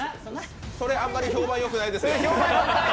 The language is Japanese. それ、あんまり評判良くないですよ。